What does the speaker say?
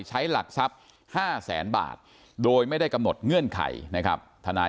หลักทรัพย์๕แสนบาทโดยไม่ได้กำหนดเงื่อนไขนะครับทนาย